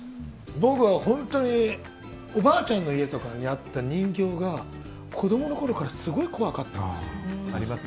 僕は本当におばあちゃんの家とかにあった人形が、子供のころからすごい怖かったんです。